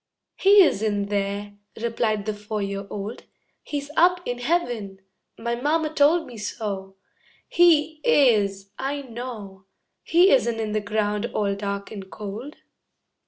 "He isn't there," replied the four year old, "He's up in heaven. My mamma told me so. He is, I know. He isn't in the ground all dark and cold."